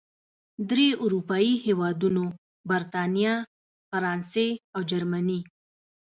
درې اروپايي هېوادونو، بریتانیا، فرانسې او جرمني